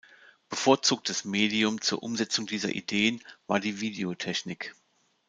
Bevorzugtes Medium zur Umsetzung dieser Ideen war die Videotechnik.